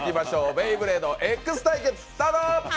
「ベイブレードエックス」対決スタート。